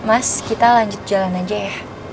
mas kita lanjut jalan aja ya